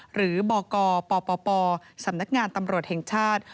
หรือบกปปสำนักงานตำรวจแห่งชาติ